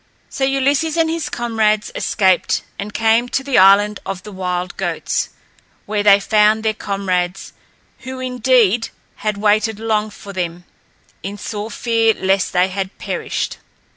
So Ulysses and his comrades escaped and came to the island of the wild goats, where they found their comrades, who indeed had waited long for them, in sore fear lest they had perished.